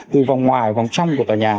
từ vòng ngoài vòng trong của tòa nhà